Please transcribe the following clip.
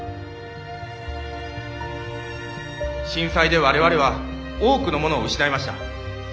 震災で我々は多くのものを失いました。